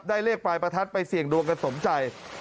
เลขปลายประทัดไปเสี่ยงดวงกันสมใจ